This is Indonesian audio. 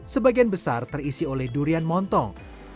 sebagian besar terisi oleh durian montong